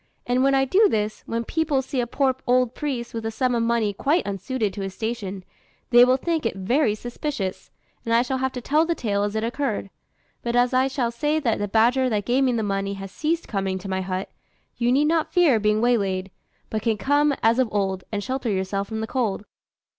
And when I do this, when people see a poor old priest with a sum of money quite unsuited to his station, they will think it very suspicious, and I shall have to tell the tale as it occurred; but as I shall say that the badger that gave me the money has ceased coming to my hut, you need not fear being waylaid, but can come, as of old, and shelter yourself from the cold."